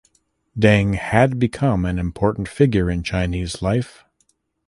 Deng had become an important figure in Chinese life.